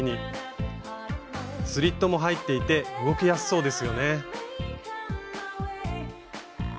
スリットも入っていて動きやすそうですよね。